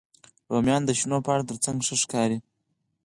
رومیان د شنو پاڼو تر څنګ ښه ښکاري